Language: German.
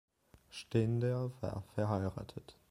Stender war verheiratet.